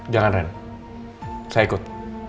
jangan ren saya ikut